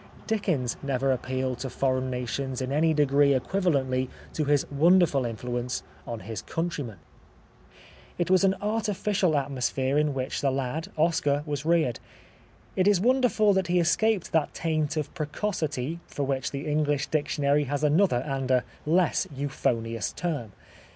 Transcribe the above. Dickens never appealed to foreign nations in any degree equivalently to his wonderful in fluence on his countrymen. It was an artificial atmosphere in which the 94 The Life of Oscar Wilde lad, Oscar, was reared. It is wonderful that he escaped that taint of precocity for which the English dictionary has another and a less euphonious term.